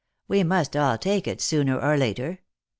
We must all take it, sooner or later.